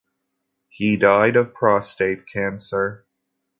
He died of prostate cancer.